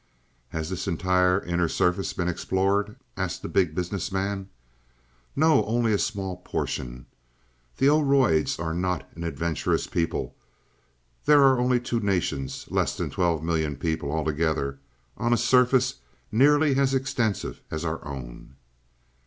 "Has this entire inner surface been explored?" asked the Big Business Man. "No, only a small portion. The Oroids are not an adventurous people. There are only two nations, less than twelve million people all together, on a surface nearly as extensive as our own."